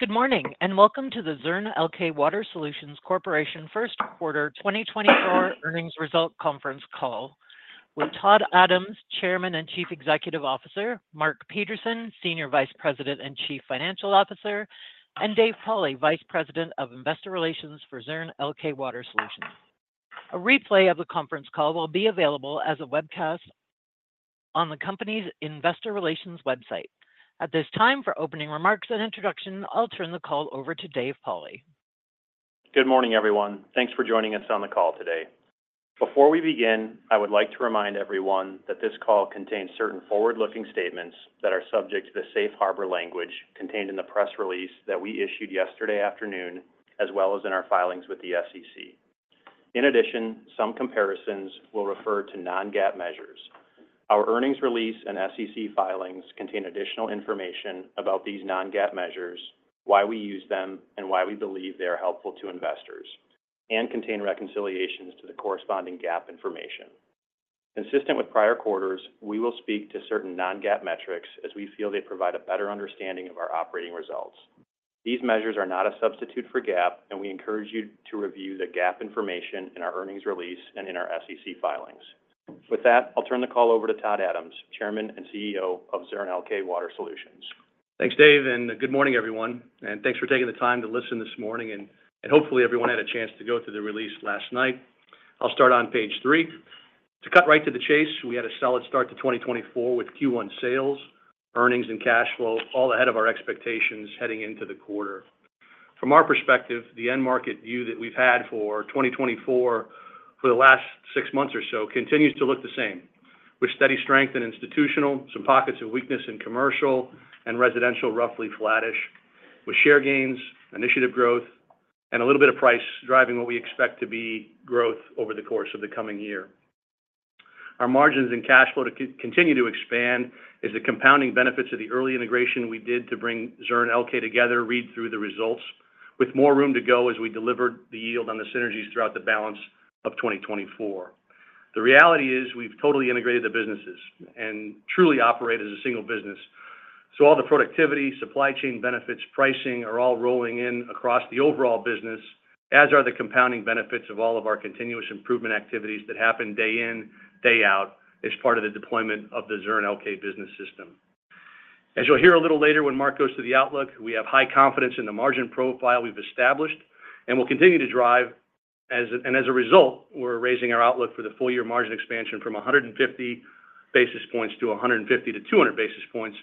Good morning and welcome to the Zurn Elkay Water Solutions Corporation first quarter 2024 earnings results conference call, with Todd Adams, Chairman and Chief Executive Officer, Mark Peterson, Senior Vice President and Chief Financial Officer, and Dave Pauli, Vice President of Investor Relations for Zurn Elkay Water Solutions. A replay of the conference call will be available as a webcast on the company's Investor Relations website. At this time, for opening remarks and introduction, I'll turn the call over to Dave Pauli. Good morning, everyone. Thanks for joining us on the call today. Before we begin, I would like to remind everyone that this call contains certain forward-looking statements that are subject to the Safe Harbor language contained in the press release that we issued yesterday afternoon, as well as in our filings with the SEC. In addition, some comparisons will refer to non-GAAP measures. Our earnings release and SEC filings contain additional information about these non-GAAP measures, why we use them, and why we believe they are helpful to investors, and contain reconciliations to the corresponding GAAP information. Consistent with prior quarters, we will speak to certain non-GAAP metrics as we feel they provide a better understanding of our operating results. These measures are not a substitute for GAAP, and we encourage you to review the GAAP information in our earnings release and in our SEC filings. With that, I'll turn the call over to Todd Adams, Chairman and CEO of Zurn Elkay Water Solutions. Thanks, Dave, and good morning, everyone. Thanks for taking the time to listen this morning, and hopefully everyone had a chance to go through the release last night. I'll start on page three. To cut right to the chase, we had a solid start to 2024 with Q1 sales, earnings, and cash flow all ahead of our expectations heading into the quarter. From our perspective, the end-market view that we've had for 2024 for the last six months or so continues to look the same, with steady strength in institutional, some pockets of weakness in commercial, and residential roughly flattish, with share gains, initiative growth, and a little bit of price driving what we expect to be growth over the course of the coming year. Our margins and cash flow to continue to expand is the compounding benefits of the early integration we did to bring Zurn Elkay together, read through the results, with more room to go as we delivered the yield on the synergies throughout the balance of 2024. The reality is we've totally integrated the businesses and truly operate as a single business, so all the productivity, supply chain benefits, pricing are all rolling in across the overall business, as are the compounding benefits of all of our continuous improvement activities that happen day in, day out as part of the deployment of the Zurn Elkay Business System. As you'll hear a little later when Mark goes to the outlook, we have high confidence in the margin profile we've established and will continue to drive. As a result, we're raising our outlook for the full-year margin expansion from 150 basis points to 150-200 basis points,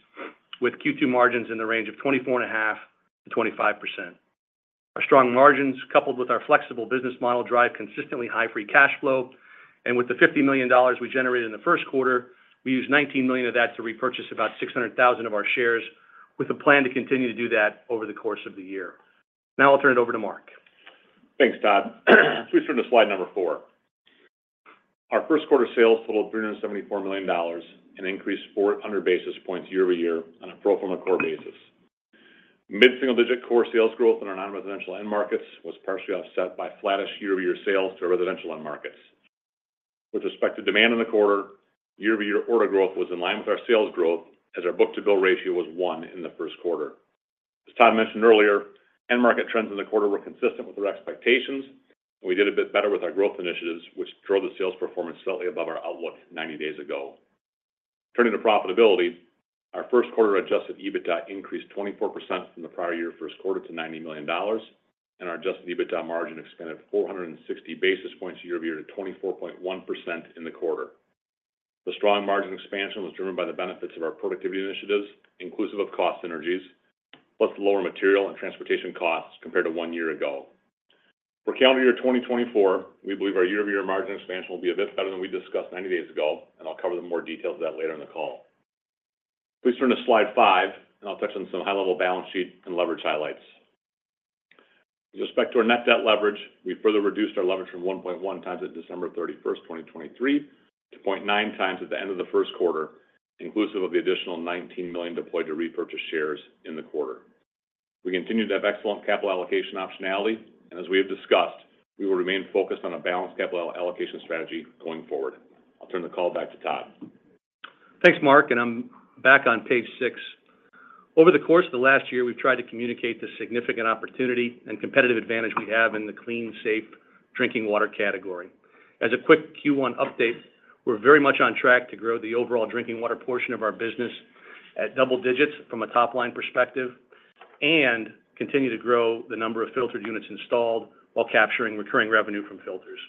with Q2 margins in the range of 24.5%-25%. Our strong margins, coupled with our flexible business model, drive consistently high free cash flow. With the $50 million we generated in the first quarter, we used $19 million of that to repurchase about 600,000 of our shares, with a plan to continue to do that over the course of the year. Now I'll turn it over to Mark. Thanks, Todd. If we switch to slide number four. Our first quarter sales totaled $374 million and increased 400 basis points year-over-year on a pro forma core basis. Mid-single-digit core sales growth in our non-residential end markets was partially offset by flattish year-over-year sales to our residential end markets. With respect to demand in the quarter, year-over-year order growth was in line with our sales growth, as our book-to-bill ratio was 1 in the first quarter. As Todd mentioned earlier, end-market trends in the quarter were consistent with our expectations, and we did a bit better with our growth initiatives, which drove the sales performance slightly above our outlook 90 days ago. Turning to profitability, our first quarter adjusted EBITDA increased 24% from the prior year first quarter to $90 million, and our adjusted EBITDA margin expanded 460 basis points year-over-year to 24.1% in the quarter. The strong margin expansion was driven by the benefits of our productivity initiatives, inclusive of cost synergies, plus the lower material and transportation costs compared to one year ago. For calendar year 2024, we believe our year-over-year margin expansion will be a bit better than we discussed 90 days ago, and I'll cover the more details of that later in the call. Please turn to slide five, and I'll touch on some high-level balance sheet and leverage highlights. With respect to our net debt leverage, we further reduced our leverage from 1.1x at December 31st, 2023, to 0.9x at the end of the first quarter, inclusive of the additional $19 million deployed to repurchase shares in the quarter. We continue to have excellent capital allocation optionality, and as we have discussed, we will remain focused on a balanced capital allocation strategy going forward. I'll turn the call back to Todd. Thanks, Mark, and I'm back on page six. Over the course of the last year, we've tried to communicate the significant opportunity and competitive advantage we have in the clean, safe drinking water category. As a quick Q1 update, we're very much on track to grow the overall drinking water portion of our business at double digits from a top-line perspective and continue to grow the number of filtered units installed while capturing recurring revenue from filters.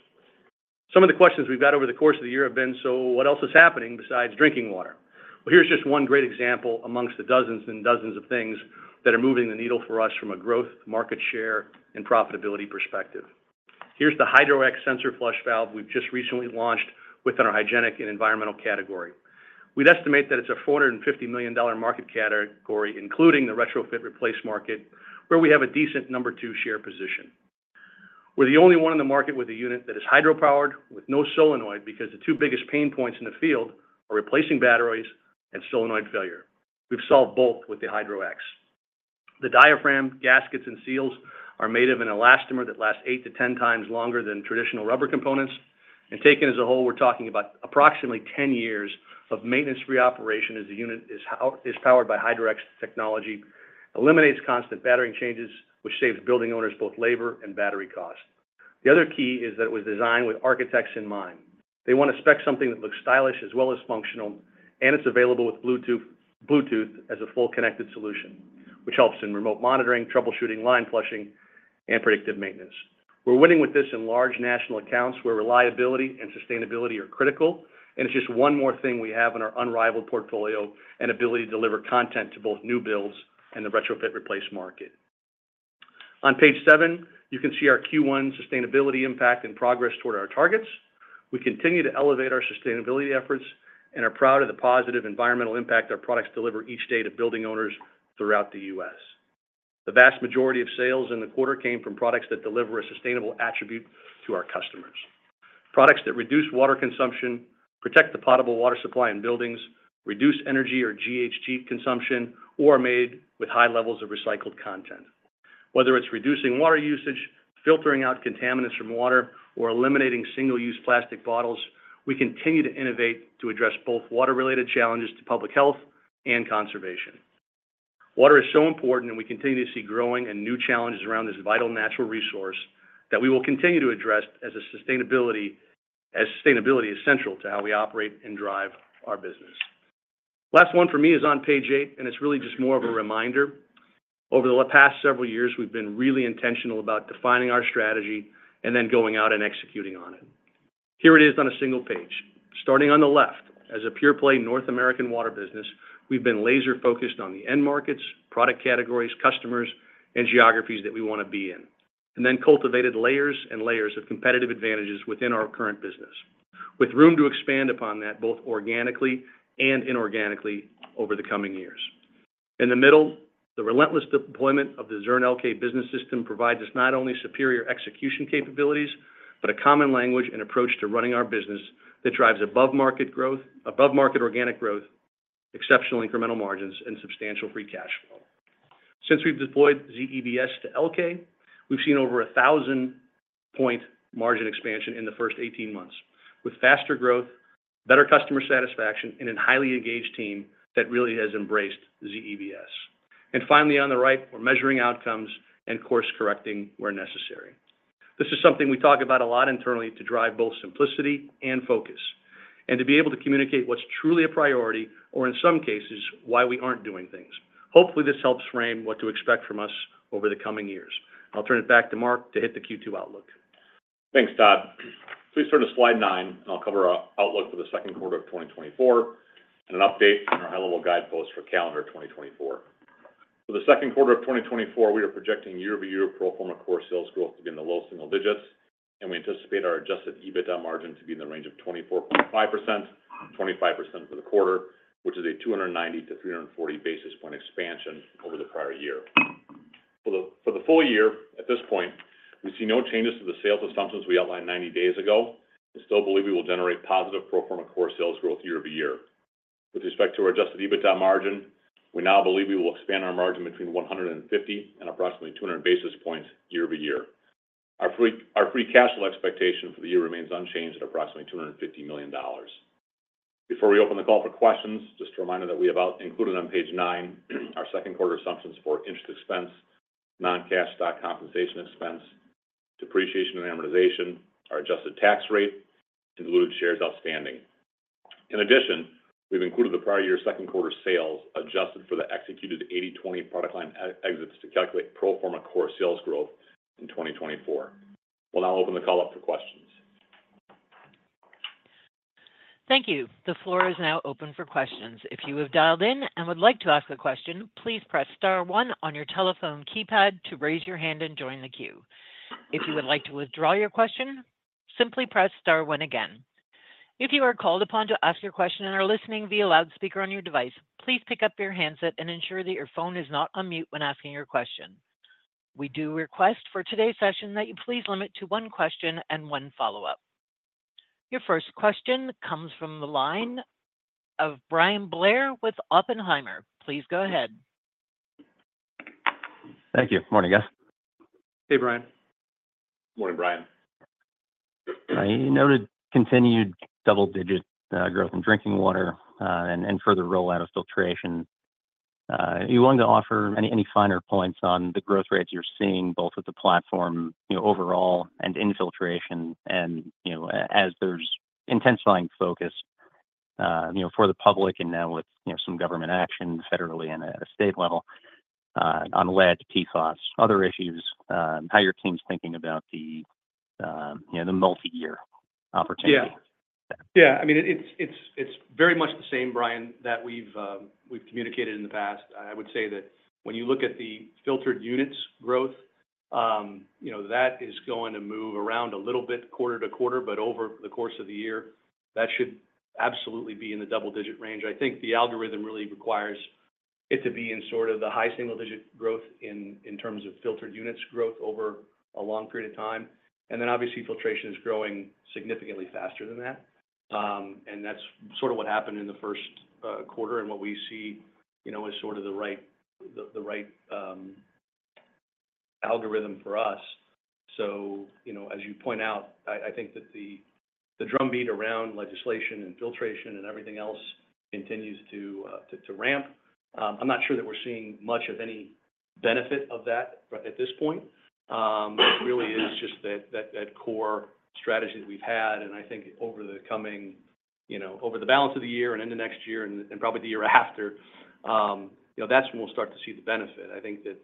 Some of the questions we've had over the course of the year have been, "So what else is happening besides drinking water?" Well, here's just one great example amongst the dozens and dozens of things that are moving the needle for us from a growth, market share, and profitability perspective. Here's the Hydro-X sensor flush valve we've just recently launched within our hygienic and environmental category. We'd estimate that it's a $450 million market category, including the retrofit replace market, where we have a decent number two share position. We're the only one in the market with a unit that is hydropowered with no solenoid because the two biggest pain points in the field are replacing batteries and solenoid failure. We've solved both with the Hydro-X. The diaphragm, gaskets, and seals are made of an elastomer that lasts 8x-10x longer than traditional rubber components. And taken as a whole, we're talking about approximately 10 years of maintenance-free operation as the unit is powered by Hydro-X technology, eliminates constant battery changes, which saves building owners both labor and battery cost. The other key is that it was designed with architects in mind. They want to spec something that looks stylish as well as functional, and it's available with Bluetooth as a full-connected solution, which helps in remote monitoring, troubleshooting, line flushing, and predictive maintenance. We're winning with this in large national accounts where reliability and sustainability are critical, and it's just one more thing we have in our unrivaled portfolio: an ability to deliver content to both new builds and the Retrofit Replace Market. On page seven, you can see our Q1 sustainability impact and progress toward our targets. We continue to elevate our sustainability efforts and are proud of the positive environmental impact our products deliver each day to building owners throughout the U.S. The vast majority of sales in the quarter came from products that deliver a sustainable attribute to our customers: products that reduce water consumption, protect the potable water supply in buildings, reduce energy or GHG consumption, or are made with high levels of recycled content. Whether it's reducing water usage, filtering out contaminants from water, or eliminating single-use plastic bottles, we continue to innovate to address both water-related challenges to public health and conservation. Water is so important, and we continue to see growing and new challenges around this vital natural resource that we will continue to address as sustainability is central to how we operate and drive our business. Last one for me is on page eight, and it's really just more of a reminder. Over the past several years, we've been really intentional about defining our strategy and then going out and executing on it. Here it is on a single page. Starting on the left, as a pure-play North American water business, we've been laser-focused on the end markets, product categories, customers, and geographies that we want to be in, and then cultivated layers and layers of competitive advantages within our current business, with room to expand upon that both organically and inorganically over the coming years. In the middle, the relentless deployment of the Zurn Elkay Business System provides us not only superior execution capabilities but a common language and approach to running our business that drives above-market growth, above-market organic growth, exceptional incremental margins, and substantial free cash flow. Since we've deployed ZEBS to Elkay, we've seen over 1,000-point margin expansion in the first 18 months, with faster growth, better customer satisfaction, and a highly engaged team that really has embraced ZEBS. Finally, on the right, we're measuring outcomes and course-correcting where necessary. This is something we talk about a lot internally to drive both simplicity and focus and to be able to communicate what's truly a priority or, in some cases, why we aren't doing things. Hopefully, this helps frame what to expect from us over the coming years. I'll turn it back to Mark to hit the Q2 outlook. Thanks, Todd. Please turn to slide nine, and I'll cover our outlook for the second quarter of 2024 and an update in our high-level guidepost for calendar 2024. For the second quarter of 2024, we are projecting year-over-year pro forma core sales growth to be in the low single digits, and we anticipate our adjusted EBITDA margin to be in the range of 24.5%-25% for the quarter, which is a 290 basis points-340 basis points expansion over the prior year. For the full year, at this point, we see no changes to the sales assumptions we outlined 90 days ago and still believe we will generate positive pro forma core sales growth year-over-year. With respect to our adjusted EBITDA margin, we now believe we will expand our margin between 150 basis points and approximately 200 basis points year-over-year. Our free cash flow expectation for the year remains unchanged at approximately $250 million. Before we open the call for questions, just a reminder that we have included on page nine our second quarter assumptions for interest expense, non-cash stock compensation expense, depreciation and amortization, our adjusted tax rate, and diluted shares outstanding. In addition, we've included the prior year second quarter sales adjusted for the executed 80/20 product line exits to calculate pro forma core sales growth in 2024. We'll now open the call up for questions. Thank you. The floor is now open for questions. If you have dialed in and would like to ask a question, please press star one on your telephone keypad to raise your hand and join the queue. If you would like to withdraw your question, simply press star one again. If you are called upon to ask your question and are listening via loudspeaker on your device, please pick up your handset and ensure that your phone is not unmuted when asking your question. We do request for today's session that you please limit to one question and one follow-up. Your first question comes from the line of Bryan Blair with Oppenheimer. Please go ahead. Thank you. Morning, guys. Hey, Bryan. Morning, Bryan. I noted continued double-digit growth in drinking water and further rollout of filtration. Are you willing to offer any finer points on the growth rates you're seeing, both with the platform overall and filtration, and as there's intensifying focus for the public and now with some government action federally and at a state level on lead, PFAS, other issues, how your team's thinking about the multi-year opportunity? Yeah. Yeah. I mean, it's very much the same, Bryan, that we've communicated in the past. I would say that when you look at the filtered units growth, that is going to move around a little bit quarter to quarter, but over the course of the year, that should absolutely be in the double-digit range. I think the algorithm really requires it to be in sort of the high single-digit growth in terms of filtered units growth over a long period of time. And then, obviously, filtration is growing significantly faster than that, and that's sort of what happened in the first quarter and what we see as sort of the right algorithm for us. So as you point out, I think that the drumbeat around legislation and filtration and everything else continues to ramp. I'm not sure that we're seeing much of any benefit of that at this point. It really is just that core strategy that we've had. And I think over the balance of the year and into next year and probably the year after, that's when we'll start to see the benefit. I think that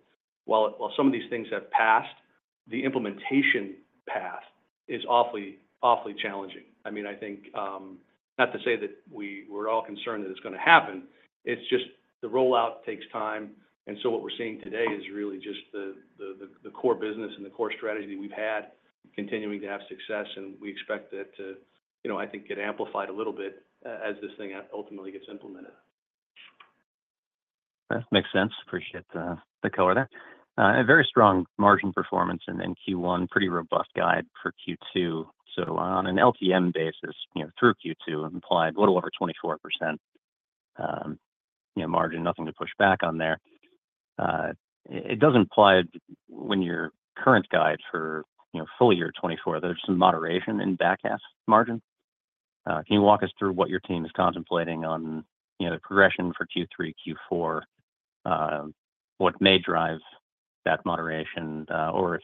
while some of these things have passed, the implementation path is awfully challenging. I mean, I think not to say that we're all concerned that it's going to happen. It's just the rollout takes time. And so what we're seeing today is really just the core business and the core strategy that we've had continuing to have success, and we expect that to, I think, get amplified a little bit as this thing ultimately gets implemented. That makes sense. Appreciate the color there. A very strong margin performance in Q1, pretty robust guide for Q2. So on an LTM basis, through Q2, implied a little over 24% margin, nothing to push back on there. It does imply that when your current guide for full year 2024, there's some moderation in back half margin. Can you walk us through what your team is contemplating on the progression for Q3, Q4, what may drive that moderation, or if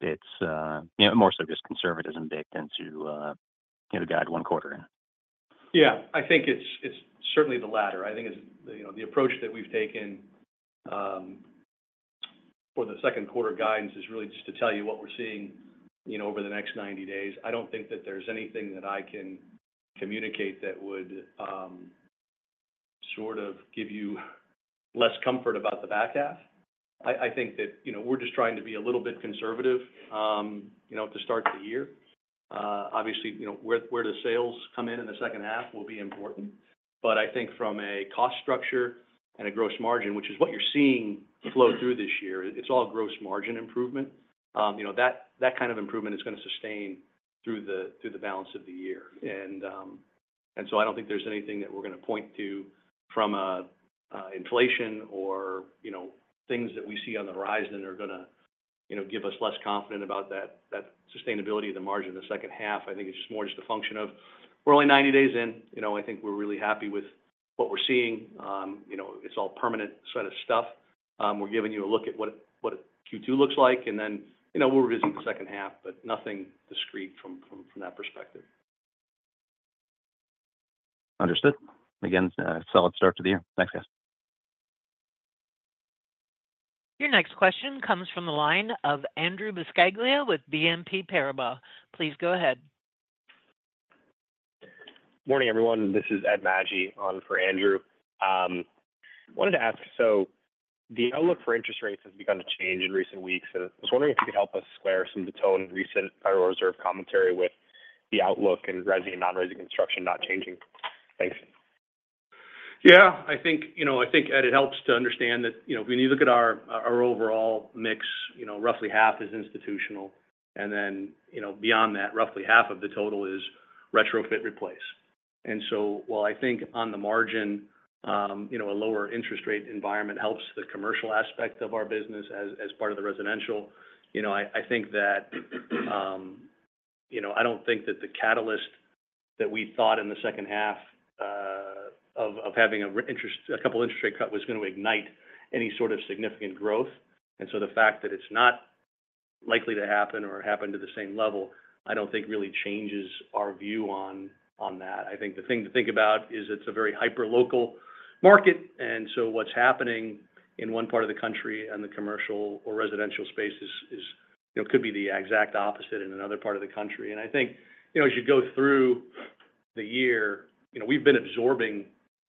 it's more so just conservatism baked into the guide one quarter in? Yeah. I think it's certainly the latter. I think the approach that we've taken for the second quarter guidance is really just to tell you what we're seeing over the next 90 days. I don't think that there's anything that I can communicate that would sort of give you less comfort about the back half. I think that we're just trying to be a little bit conservative to start the year. Obviously, where the sales come in in the second half will be important. But I think from a cost structure and a gross margin, which is what you're seeing flow through this year, it's all gross margin improvement. That kind of improvement is going to sustain through the balance of the year. And so I don't think there's anything that we're going to point to from inflation or things that we see on the rise that are going to give us less confident about that sustainability of the margin in the second half. I think it's just more just a function of we're only 90 days in. I think we're really happy with what we're seeing. It's all permanent set of stuff. We're giving you a look at what Q2 looks like, and then we'll revisit the second half, but nothing discrete from that perspective. Understood. Again, solid start to the year. Thanks, guys. Your next question comes from the line of Andrew Buscaglia with BNP Paribas. Please go ahead. Morning, everyone. This is Ed Magi on for Andrew. Wanted to ask, so the outlook for interest rates has begun to change in recent weeks, and I was wondering if you could help us square some tone of recent Federal Reserve commentary with the outlook and resi and non-resi construction not changing. Thanks. Yeah. I think, Ed, it helps to understand that when you look at our overall mix, roughly half is institutional, and then beyond that, roughly half of the total is retrofit replace. And so while I think on the margin, a lower interest rate environment helps the commercial aspect of our business as part of the residential, I think that I don't think that the catalyst that we thought in the second half of having a couple of interest rate cuts was going to ignite any sort of significant growth. And so the fact that it's not likely to happen or happen to the same level, I don't think really changes our view on that. I think the thing to think about is it's a very hyperlocal market, and so what's happening in one part of the country and the commercial or residential space could be the exact opposite in another part of the country. I think as you go through the year, we've been absorbing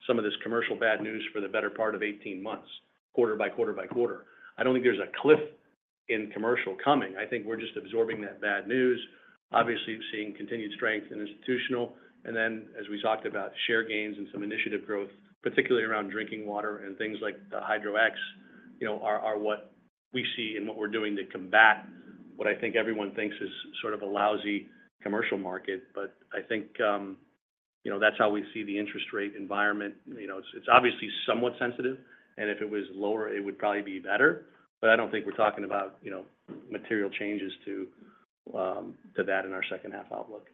some of this commercial bad news for the better part of 18 months, quarter by quarter by quarter. I don't think there's a cliff in commercial coming. I think we're just absorbing that bad news, obviously seeing continued strength in institutional. And then, as we talked about, share gains and some initiative growth, particularly around drinking water and things like the Hydro-X, are what we see and what we're doing to combat what I think everyone thinks is sort of a lousy commercial market. But I think that's how we see the interest rate environment. It's obviously somewhat sensitive, and if it was lower, it would probably be better. But I don't think we're talking about material changes to that in our second half outlook.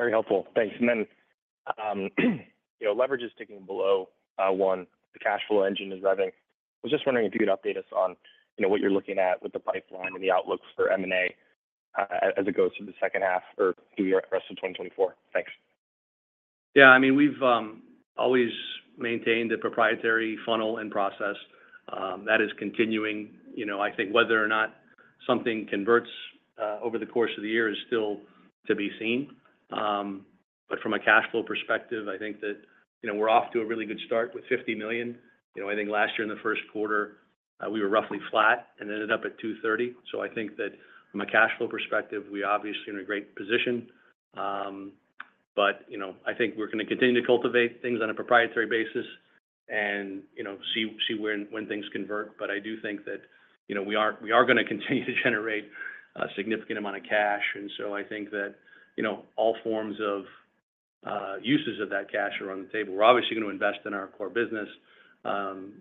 Very helpful. Thanks. Then leverage is ticking below 1. The cash flow engine is revving. I was just wondering if you could update us on what you're looking at with the pipeline and the outlook for M&A as it goes through the second half or through the rest of 2024. Thanks. Yeah. I mean, we've always maintained a proprietary funnel and process. That is continuing. I think whether or not something converts over the course of the year is still to be seen. But from a cash flow perspective, I think that we're off to a really good start with $50 million. I think last year, in the first quarter, we were roughly flat and ended up at $230 million. So I think that from a cash flow perspective, we're obviously in a great position. But I think we're going to continue to cultivate things on a proprietary basis and see when things convert. But I do think that we are going to continue to generate a significant amount of cash. And so I think that all forms of uses of that cash are on the table. We're obviously going to invest in our core business,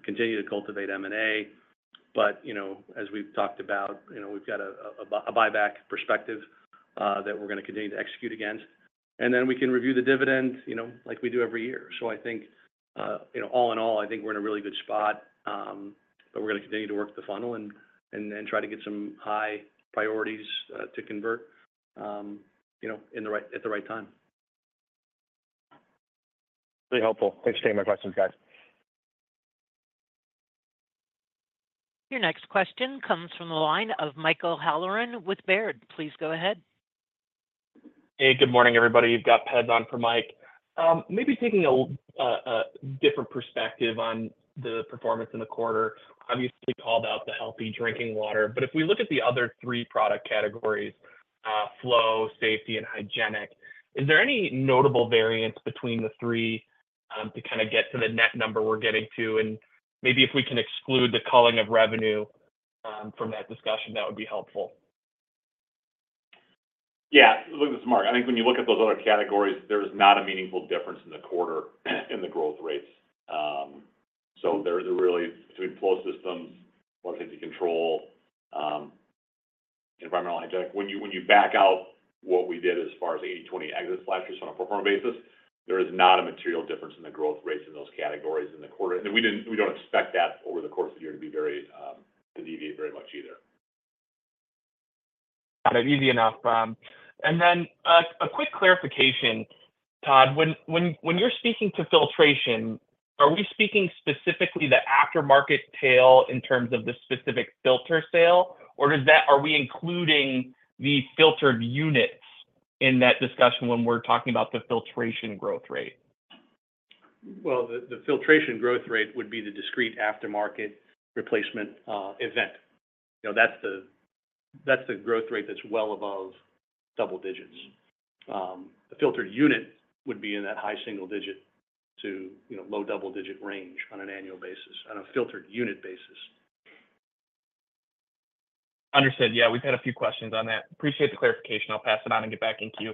continue to cultivate M&A. As we've talked about, we've got a buyback perspective that we're going to continue to execute against. Then we can review the dividend like we do every year. I think, all in all, I think we're in a really good spot, but we're going to continue to work the funnel and try to get some high priorities to convert at the right time. Very helpful. Thanks for taking my questions, guys. Your next question comes from the line of Michael Halloran with Baird. Please go ahead. Hey. Good morning, everybody. You've got Baird on for Mike. Maybe taking a different perspective on the performance in the quarter, obviously called out the healthy drinking water. But if we look at the other three product categories: flow, safety, and hygienic, is there any notable variance between the three to kind of get to the net number we're getting to? And maybe if we can exclude the culling of revenue from that discussion, that would be helpful. Yeah. Look at this, Mark. I think when you look at those other categories, there's not a meaningful difference in the quarter in the growth rates. So they're really between flow systems, water safety control, environmental hygienic. When you back out what we did as far as 80/20 exits last year on a pro forma basis, there is not a material difference in the growth rates in those categories in the quarter. And then we don't expect that over the course of the year to deviate very much either. Got it. Easy enough. And then a quick clarification, Todd. When you're speaking to filtration, are we speaking specifically the aftermarket tail in terms of the specific filter sale, or are we including the filtered units in that discussion when we're talking about the filtration growth rate? Well, the filtration growth rate would be the discrete aftermarket replacement event. That's the growth rate that's well above double digits. The filtered unit would be in that high single-digit to low double-digit range on an annual basis, on a filtered unit basis. Understood. Yeah. We've had a few questions on that. Appreciate the clarification. I'll pass it on and get back to you.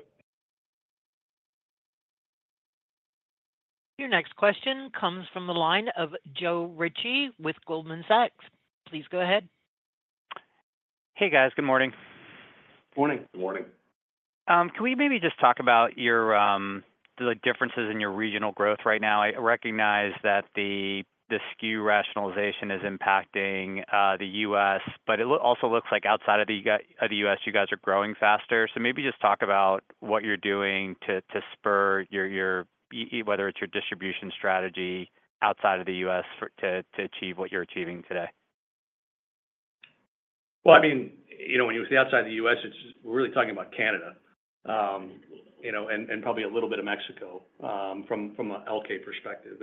Your next question comes from the line of Joe Ritchie with Goldman Sachs. Please go ahead. Hey, guys. Good morning. Good morning. Good morning. Can we maybe just talk about the differences in your regional growth right now? I recognize that the SKU rationalization is impacting the U.S., but it also looks like outside of the U.S., you guys are growing faster. So maybe just talk about what you're doing to spur your, whether it's your distribution strategy outside of the U.S. to achieve what you're achieving today. Well, I mean, when you say outside of the U.S., we're really talking about Canada and probably a little bit of Mexico from an Elkay perspective.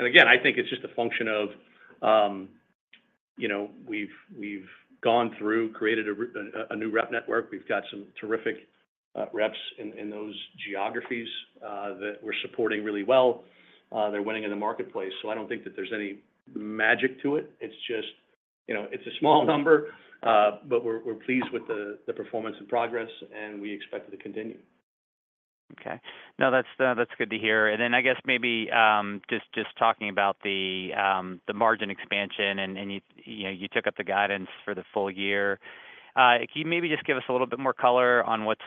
And again, I think it's just a function of we've gone through, created a new rep network. We've got some terrific reps in those geographies that we're supporting really well. They're winning in the marketplace. So I don't think that there's any magic to it. It's just it's a small number, but we're pleased with the performance and progress, and we expect it to continue. Okay. No, that's good to hear. And then I guess maybe just talking about the margin expansion, and you took up the guidance for the full year. Can you maybe just give us a little bit more color on what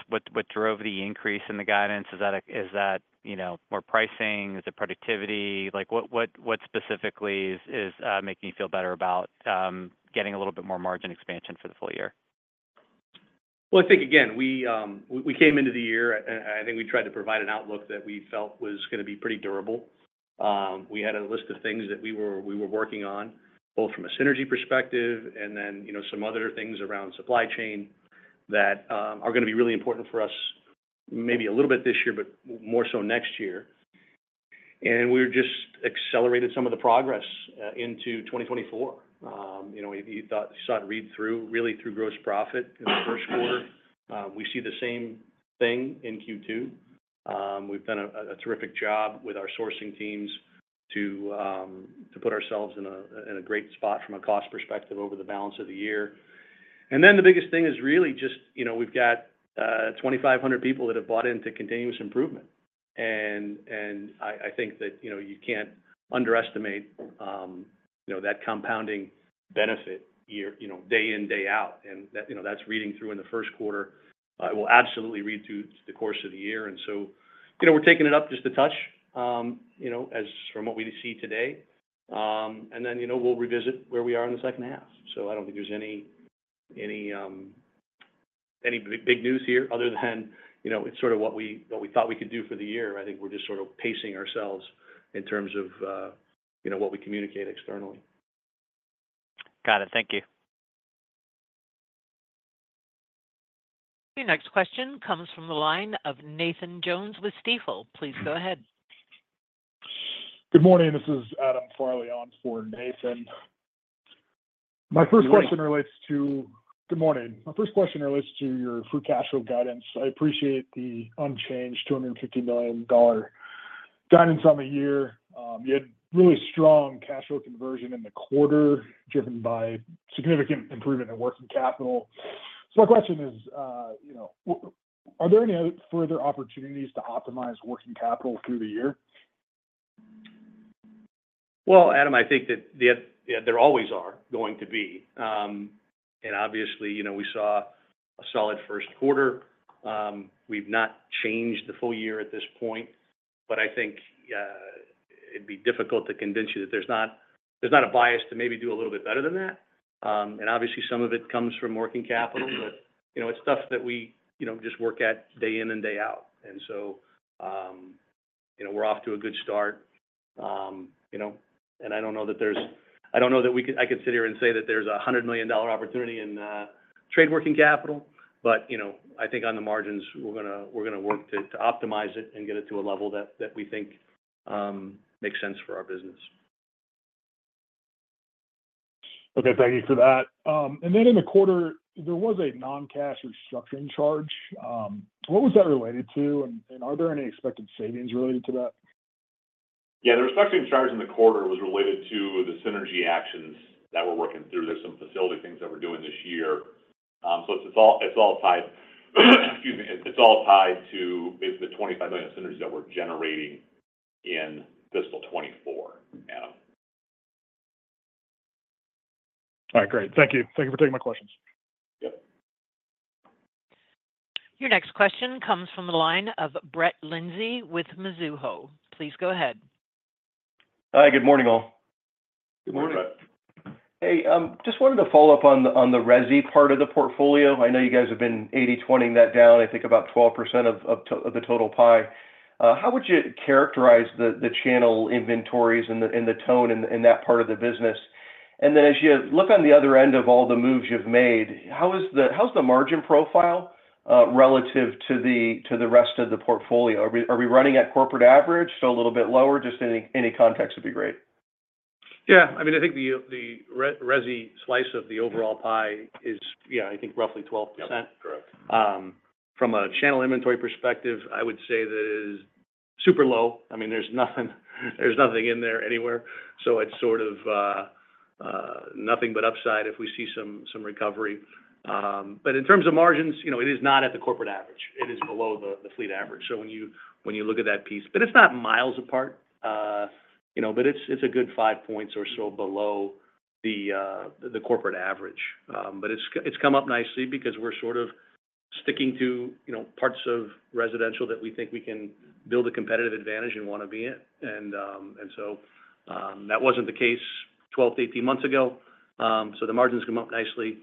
drove the increase in the guidance? Is that more pricing? Is it productivity? What specifically is making you feel better about getting a little bit more margin expansion for the full year? Well, I think, again, we came into the year, and I think we tried to provide an outlook that we felt was going to be pretty durable. We had a list of things that we were working on both from a synergy perspective and then some other things around supply chain that are going to be really important for us maybe a little bit this year, but more so next year. We just accelerated some of the progress into 2024. You saw it read through, really through gross profit in the first quarter. We see the same thing in Q2. We've done a terrific job with our sourcing teams to put ourselves in a great spot from a cost perspective over the balance of the year. Then the biggest thing is really just we've got 2,500 people that have bought into continuous improvement. And I think that you can't underestimate that compounding benefit day in, day out. And that's reading through in the first quarter. It will absolutely read through the course of the year. And so we're taking it up just a touch from what we see today. And then we'll revisit where we are in the second half. So I don't think there's any big news here other than it's sort of what we thought we could do for the year. I think we're just sort of pacing ourselves in terms of what we communicate externally. Got it. Thank you. Your next question comes from the line of Nathan Jones with Stifel. Please go ahead. Good morning. This is Adam Farley on for Nathan. My first question relates to your free cash flow guidance. I appreciate the unchanged $250 million guidance on the year. You had really strong cash flow conversion in the quarter driven by significant improvement in working capital. So my question is, are there any further opportunities to optimize working capital through the year? Well, Adam, I think that there always are going to be. And obviously, we saw a solid first quarter. We've not changed the full year at this point, but I think it'd be difficult to convince you that there's not a bias to maybe do a little bit better than that. And obviously, some of it comes from working capital, but it's stuff that we just work at day in and day out. And so we're off to a good start. And I don't know that we could sit here and say that there's a $100 million opportunity in trade working capital, but I think on the margins, we're going to work to optimize it and get it to a level that we think makes sense for our business. Okay. Thank you for that. And then in the quarter, there was a non-cash restructuring charge. What was that related to, and are there any expected savings related to that? Yeah. The restructuring charge in the quarter was related to the synergy actions that we're working through. There's some facility things that we're doing this year. So it's all tied, excuse me. It's all tied to the $25 million of synergy that we're generating in fiscal 2024, Adam. All right. Great. Thank you. Thank you for taking my questions. Yep. Your next question comes from the line of Brett Linzey with Mizuho. Please go ahead. Hi. Good morning, all. Good morning, Brett. Hey. Just wanted to follow up on the resi part of the portfolio. I know you guys have been 80/20ing that down, I think, about 12% of the total pie. How would you characterize the channel inventories and the tone in that part of the business? And then as you look on the other end of all the moves you've made, how's the margin profile relative to the rest of the portfolio? Are we running at corporate average, still a little bit lower? Just any context would be great. Yeah. I mean, I think the resi slice of the overall pie is, yeah, I think, roughly 12%. Yeah. Correct. From a channel inventory perspective, I would say that it is super low. I mean, there's nothing in there anywhere. So it's sort of nothing but upside if we see some recovery. But in terms of margins, it is not at the corporate average. It is below the fleet average. So when you look at that piece but it's not miles apart, but it's a good five points or so below the corporate average. But it's come up nicely because we're sort of sticking to parts of residential that we think we can build a competitive advantage and want to be at. And so that wasn't the case 12-18 months ago. So the margins come up nicely,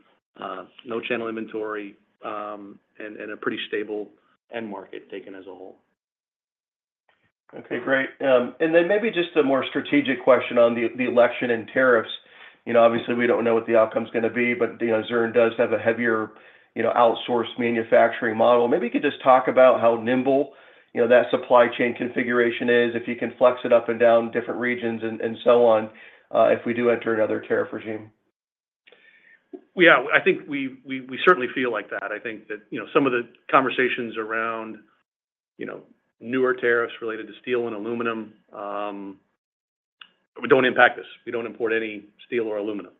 no channel inventory, and a pretty stable end market taken as a whole. Okay. Great. And then maybe just a more strategic question on the election and tariffs. Obviously, we don't know what the outcome's going to be, but Zurn does have a heavier outsourced manufacturing model. Maybe you could just talk about how nimble that supply chain configuration is, if you can flex it up and down different regions and so on if we do enter another tariff regime. Yeah. I think we certainly feel like that. I think that some of the conversations around newer tariffs related to steel and aluminum don't impact us. We don't import any steel or aluminum.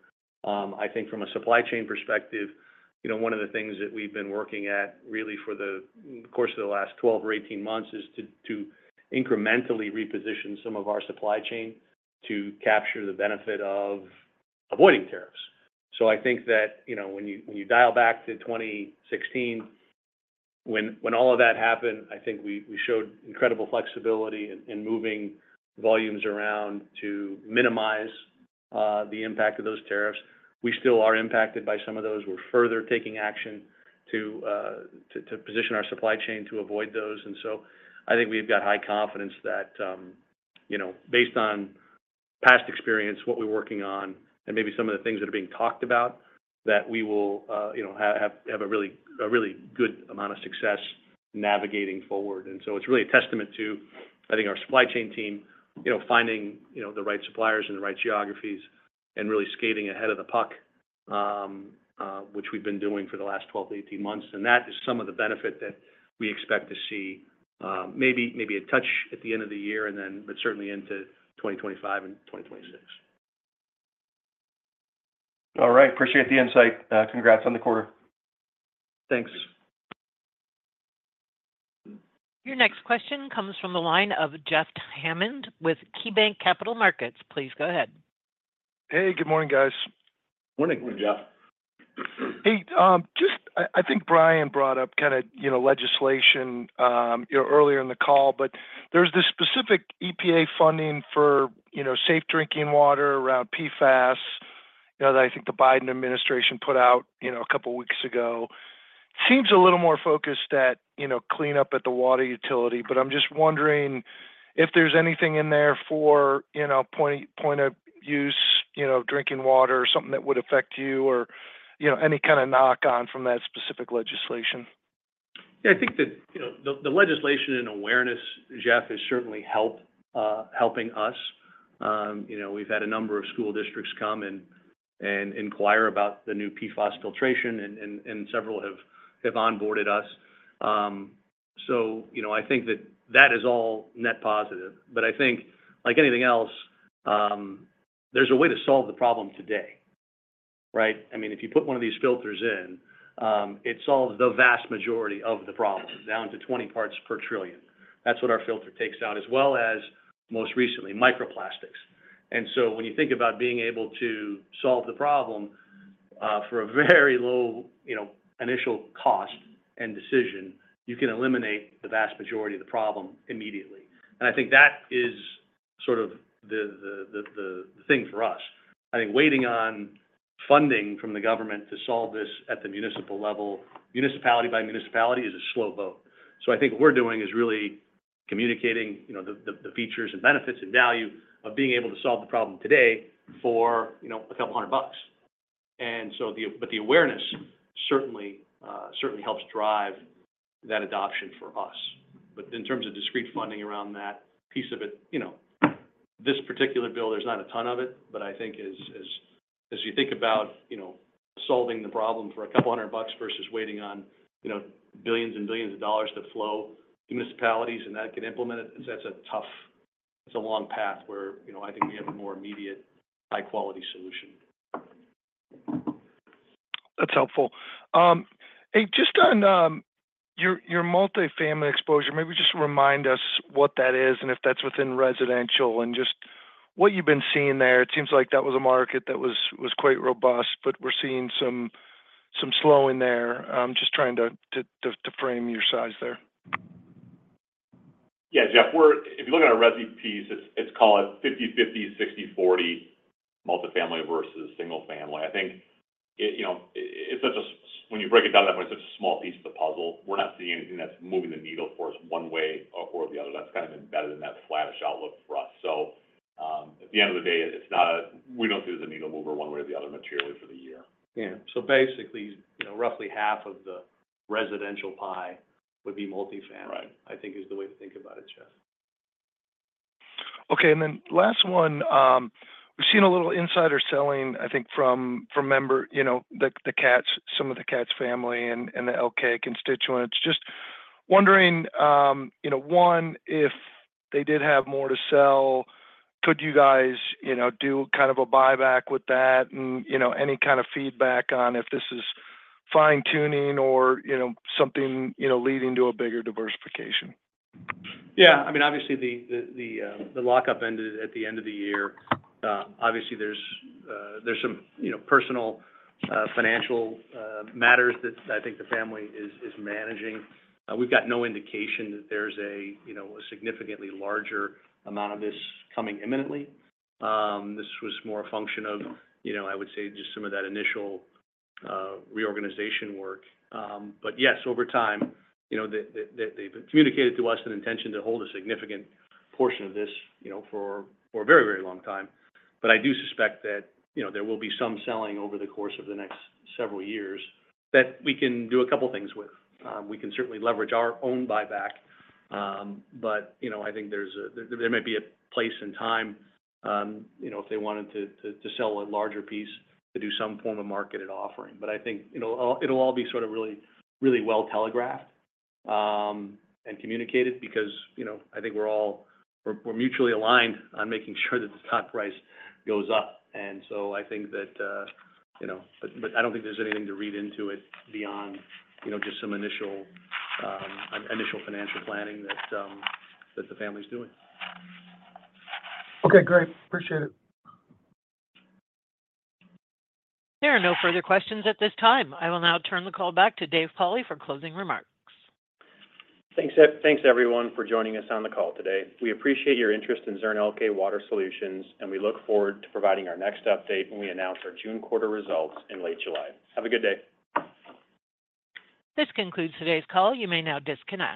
I think from a supply chain perspective, one of the things that we've been working at really for the course of the last 12 or 18 months is to incrementally reposition some of our supply chain to capture the benefit of avoiding tariffs. So I think that when you dial back to 2016, when all of that happened, I think we showed incredible flexibility in moving volumes around to minimize the impact of those tariffs. We still are impacted by some of those. We're further taking action to position our supply chain to avoid those. I think we've got high confidence that based on past experience, what we're working on, and maybe some of the things that are being talked about, that we will have a really good amount of success navigating forward. It's really a testament to, I think, our supply chain team finding the right suppliers in the right geographies and really skating ahead of the puck, which we've been doing for the last 12-18 months. That is some of the benefit that we expect to see, maybe a touch at the end of the year but certainly into 2025 and 2026. All right. Appreciate the insight. Congrats on the quarter. Thanks. Your next question comes from the line of Jeff Hammond with KeyBanc Capital Markets. Please go ahead. Hey. Good morning, guys. Morning. Good morning, Jeff. Hey. I think Bryan brought up kind of legislation earlier in the call, but there's this specific EPA funding for safe drinking water around PFAS that I think the Biden administration put out a couple of weeks ago. Seems a little more focused at cleanup at the water utility, but I'm just wondering if there's anything in there for point of use of drinking water or something that would affect you or any kind of knock-on from that specific legislation. Yeah. I think that the legislation and awareness, Jeff, has certainly helped us. We've had a number of school districts come and inquire about the new PFAS filtration, and several have onboarded us. So I think that that is all net positive. But I think, like anything else, there's a way to solve the problem today, right? I mean, if you put one of these filters in, it solves the vast majority of the problem down to 20 parts per trillion. That's what our filter takes out, as well as, most recently, microplastics. And so when you think about being able to solve the problem for a very low initial cost and decision, you can eliminate the vast majority of the problem immediately. And I think that is sort of the thing for us. I think waiting on funding from the government to solve this at the municipal level, municipality by municipality, is a slow vote. So I think what we're doing is really communicating the features and benefits and value of being able to solve the problem today for $200. But the awareness certainly helps drive that adoption for us. But in terms of discrete funding around that piece of it, this particular bill, there's not a ton of it, but I think as you think about solving the problem for $200 versus waiting on $billions and $billions of dollars to flow to municipalities and that can implement it, that's a tough it's a long path where I think we have a more immediate, high-quality solution. That's helpful. Hey. Just on your multifamily exposure, maybe just remind us what that is and if that's within residential and just what you've been seeing there. It seems like that was a market that was quite robust, but we're seeing some slowing there. Just trying to frame your size there. Yeah, Jeff. If you look at our resi piece, it's called 50/50, 60/40 multifamily versus single family. I think when you break it down to that point, it's such a small piece of the puzzle. We're not seeing anything that's moving the needle for us one way or the other. That's kind of embedded in that flat-ish outlook for us. So at the end of the day, we don't see it as a needle mover one way or the other materially for the year. Yeah. So basically, roughly half of the residential pie would be multifamily, I think, is the way to think about it, Jeff. Okay. And then last one, we've seen a little insider selling, I think, from members of the Katz family, some of the Katz family, and the Elkay constituents. Just wondering, one, if they did have more to sell, could you guys do kind of a buyback with that and any kind of feedback on if this is fine-tuning or something leading to a bigger diversification? Yeah. I mean, obviously, the lockup ended at the end of the year. Obviously, there's some personal financial matters that I think the family is managing. We've got no indication that there's a significantly larger amount of this coming imminently. This was more a function of, I would say, just some of that initial reorganization work. But yes, over time, they've communicated to us an intention to hold a significant portion of this for a very, very long time. But I do suspect that there will be some selling over the course of the next several years that we can do a couple things with. We can certainly leverage our own buyback, but I think there may be a place and time if they wanted to sell a larger piece to do some form of marketed offering. But I think it'll all be sort of really well telegraphed and communicated because I think we're all mutually aligned on making sure that the top price goes up. And so I think that, but I don't think there's anything to read into it beyond just some initial financial planning that the family's doing. Okay. Great. Appreciate it. There are no further questions at this time. I will now turn the call back to Dave Pauli for closing remarks. Thanks, everyone, for joining us on the call today. We appreciate your interest in Zurn Elkay Water Solutions, and we look forward to providing our next update when we announce our June quarter results in late July. Have a good day. This concludes today's call. You may now disconnect.